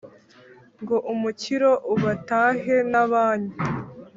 ngo umukiro ubatahe nabanyu